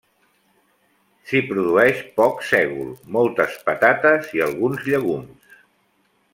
S'hi produeix poc sègol, moltes patates i alguns llegums.